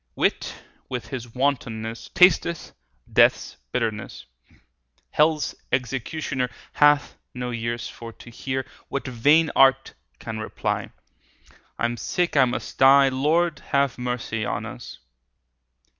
Wit with his wantonness Tasteth death's bitterness; 30 Hell's executioner Hath no ears for to hear What vain art can reply; I am sick, I must die— Lord, have mercy on us!